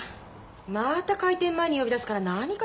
また開店前に呼び出すから何かと思ったけど